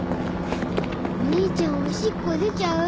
お兄ちゃんおしっこ出ちゃう。